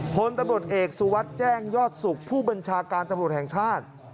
พลตำรวจเอกสุวัสดิ์แจ้งยอดสุขผู้บัญชาการตำรวจแห่งชาติ